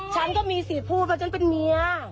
ฉันก็มีสิทธิ์พูดว่าฉันเป็นเมีย